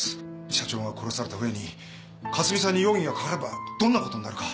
社長が殺されたうえに克巳さんに容疑がかかればどんなことになるか。